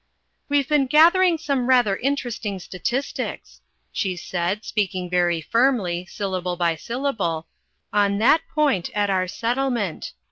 "We've been gathering some rather interesting statistics," she said, speaking very firmly, syllable by syllable, "on that point at our Settlement.